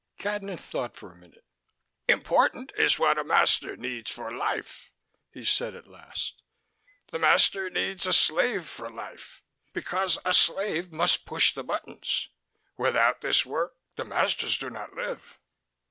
Cadnan thought for a minute. "Important is what a master needs for life," he said at last. "The masters need a slave for life, because a slave must push the buttons. Without this work the masters do not live."